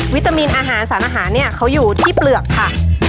ตามินอาหารสารอาหารเนี่ยเขาอยู่ที่เปลือกค่ะ